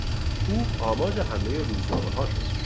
او آماج حملهی روزنامهها شد.